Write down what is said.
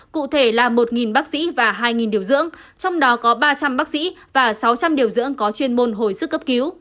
cụ thể là một bác sĩ và hai điều dưỡng trong đó có ba trăm linh bác sĩ và sáu trăm linh điều dưỡng có chuyên môn hồi sức cấp cứu